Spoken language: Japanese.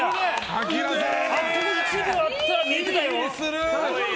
あと１秒あったら見えてたよ。